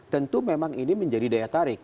tentu memang ini menjadi daya tarik